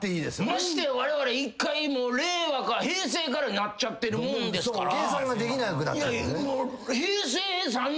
ましてわれわれ令和平成からなっちゃってるもんですから。